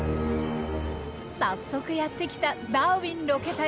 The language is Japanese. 早速やって来たダーウィンロケ隊。